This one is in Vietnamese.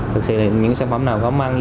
thực sự là những sản phẩm nào có măng